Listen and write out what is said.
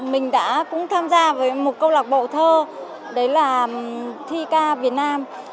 mình đã cũng tham gia với một câu lạc bộ thơ đấy là thi ca việt nam